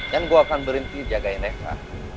dan gue akan berhenti jagain reva